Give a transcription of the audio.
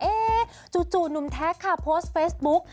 จู่หนุ่มแท็กค่ะโพสต์เฟซบุ๊ก